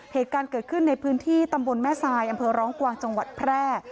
เหตุการณ์เกิดขึ้นในพื้นที่ตำบลแม่ทรายอำเภอร้องกวางจังหวัดแพร่